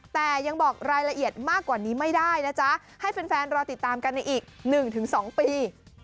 แต่ยังบอกรายละเอียดมากกว่านี้ไม่ได้นะจ๊ะให้แฟนรอติดตามกันในอีก๑๒ปี